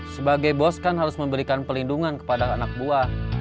sebagai bos kan harus memberikan pelindungan kepada anak buah